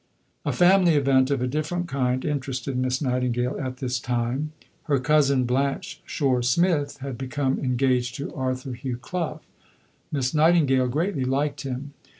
A family event of a different kind interested Miss Nightingale at this time. Her cousin Blanche Shore Smith had become engaged to Arthur Hugh Clough. Miss Nightingale greatly liked him.